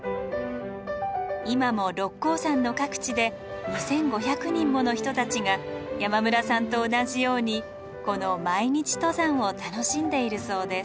今も六甲山の各地で２，５００人もの人たちが山村さんと同じようにこの毎日登山を楽しんでいるそうです。